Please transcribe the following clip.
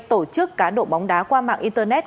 tổ chức cá độ bóng đá qua mạng internet